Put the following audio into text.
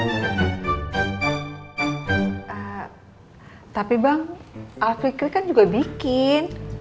eee tapi bang alfi kri kan juga bikin